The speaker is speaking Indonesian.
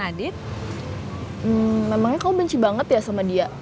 hmm memangnya kamu benci banget ya sama dia